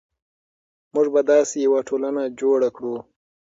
موږ به داسې یوه ټولنه جوړه کړو.